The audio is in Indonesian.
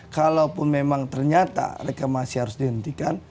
kalaupun memang ternyata reklamasi harus dihentikan